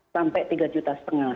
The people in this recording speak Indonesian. sampai tiga lima juta